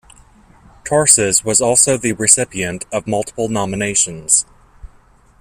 Tarses was also the recipient of multiple nominations.